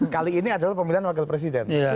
kali ini adalah pemilihan wakil presiden